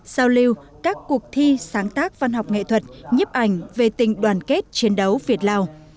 giao lưu các cuộc thi sáng tác văn học nghệ thuật nhiếp ảnh về tình đoàn kết chiến đấu việt lào